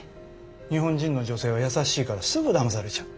日本人の女性は優しいからすぐだまされちゃう。